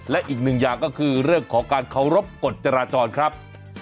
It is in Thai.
และอีกหนึ่งอย่างก็คือเรื่องของการเคารพกฎจราจรครับ